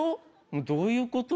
どういうこと？